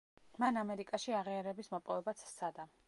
მან ამერიკაში აღიარების მოპოვებაც სცადა.